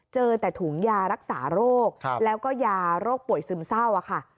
เจอแต่ถุงยารักษาโรคแล้วก็ยาโรคป่วยซึมเศร้าค่ะ